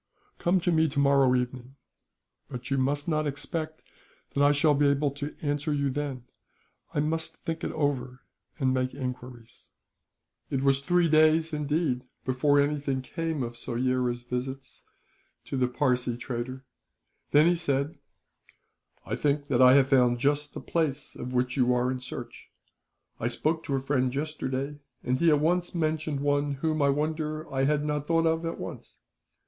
"Come to me tomorrow evening, but you must not expect that I shall be able to answer you then. I must think it over, and make enquiries." It was three days, indeed, before anything came of Soyera's visits to the Parsee trader; then he said: "I think that I have found out just the place of which you are in search. I spoke to a friend yesterday, and he at once mentioned one whom I wonder I had not thought of, at once.